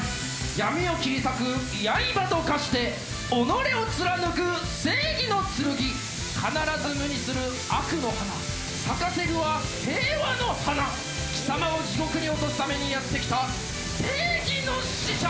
・・闇を切り裂くやいばと化して己を貫く正義の剣・・必ず無にする悪の花咲かせるは平和の花・・貴様を地獄に落とすためにやって来た正義の使者！